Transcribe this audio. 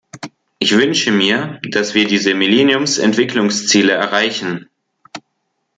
Ich wünsche mir, dass wir diese Millenniums-Entwicklungsziele erreichen.